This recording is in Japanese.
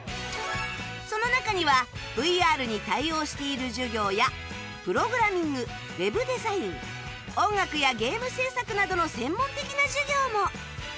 その中には ＶＲ に対応している授業やプログラミング ＷＥＢ デザイン音楽やゲーム制作などの専門的な授業も